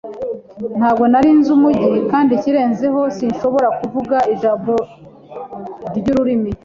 Ntabwo nari nzi umujyi, kandi ikirenzeho, sinshobora kuvuga ijambo ryururimi.